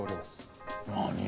何？